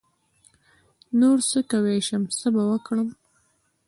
نـور څه کوی شم څه به وکړم.